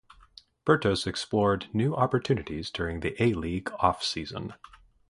Bertos explored new opportunities during the A-League off-season.